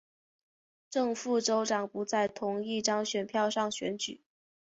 正副州长不在同一张选票上选举。